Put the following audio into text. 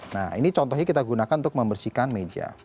nah ini contohnya kita gunakan untuk membersihkan meja